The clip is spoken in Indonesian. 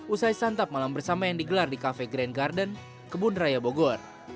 usai santap malam bersama yang digelar di cafe grand garden kebun raya bogor